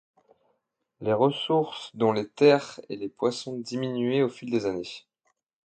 Les ressources dont les terres et les poissons diminuaient au fil des années.